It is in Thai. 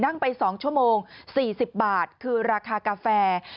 นั่งไป๒ชั่วโมง๔๐บาทคือราคากาแฟ